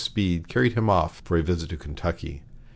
Speed carried him off for a visit to Kentucky.